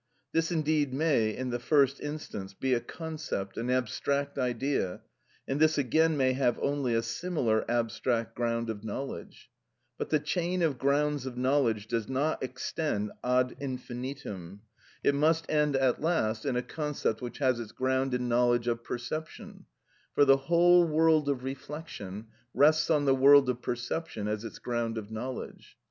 This, indeed, may, in the first instance, be a concept, an abstract idea, and this again may have only a similar abstract ground of knowledge; but the chain of grounds of knowledge does not extend ad infinitum; it must end at last in a concept which has its ground in knowledge of perception; for the whole world of reflection rests on the world of perception as its ground of knowledge.